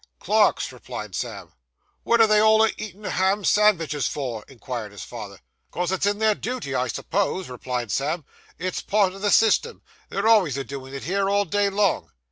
'Clerks,' replied Sam. 'Wot are they all a eatin' ham sangwidges for?' inquired his father. ''Cos it's in their dooty, I suppose,' replied Sam, 'it's a part o' the system; they're alvays a doin' it here, all day long!